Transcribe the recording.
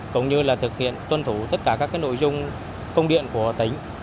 cũng như là thực hiện tuân thủ tất cả các nội dung công điện của tỉnh